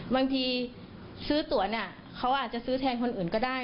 บางทีซื้อตัวเนี่ยเขาอาจจะซื้อแทนคนอื่นก็ได้